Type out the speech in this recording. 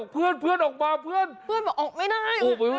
เพื่อนบอกออกไม่ได้